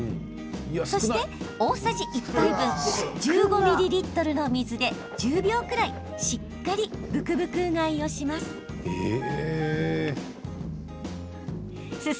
そして、大さじ１杯分１５ミリリットルの水で１０秒くらいしっかりブクブクうがいをします。